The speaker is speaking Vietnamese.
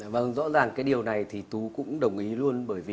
vâng rõ ràng cái điều này thì tú cũng đồng ý luôn